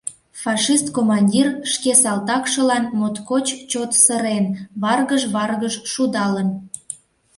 Фашист командир шке салтакшылан моткоч чот сырен, варгыж-варгыж шудалын.